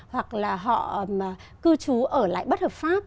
hoặc là họ cư trú ở lại bất hợp pháp